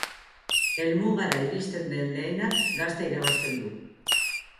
Helmugara iristen den lehena gazta irabazten du.